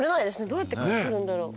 どうやって採るんだろう。